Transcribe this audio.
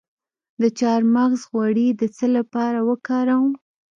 د چارمغز غوړي د څه لپاره وکاروم؟